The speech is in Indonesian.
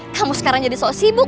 kamu sekarang jadi soal sibuk